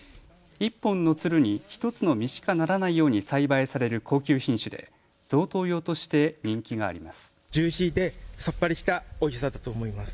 １本のつるに１つの実しかならないように栽培される高級品種で贈答用として人気があります。